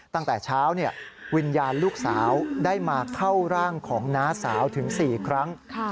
ตั้งแต่เช้าวิญญาณลูกสาวได้มาเข้าร่างของน้าสาวถึง๔ครั้ง